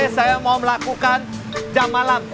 saya mau melakukan jam malam